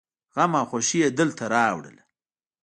غم او خوښي يې دلته راوړله.